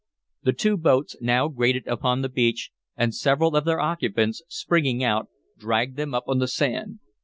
The two boats now grated upon the beach, and several of their occupants, springing out, dragged them up on the sand.